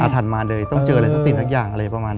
อาถรรพ์มาเลยต้องเจออะไรต้องติดทักอย่างอะไรประมาณนี้